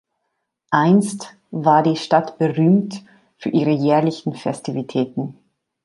Einst war die Stadt berühmt für ihre jährlichen Festivitäten.